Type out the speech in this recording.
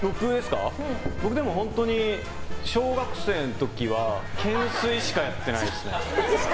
僕、本当に小学生の時は懸垂しかやってないですね。